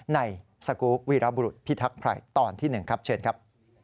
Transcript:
ในสกูลวีรบุรุษพิทักษ์ภัยตอนที่๑ครับเชิญครับ